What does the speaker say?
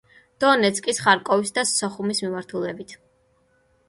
დონეცკის, ხარკოვისა და სოხუმის მიმართულებით.